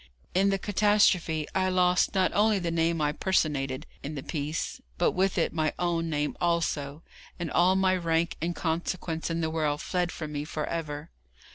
In the catastrophe I lost not only the name I personated in the piece, but with it my own name also, and all my rank and consequence in the world fled from me for ever.